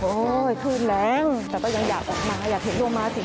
โอ้ยคืนแรงแต่ก็ยังอยากออกมาอยากเห็นโดรมาสิโอ้โห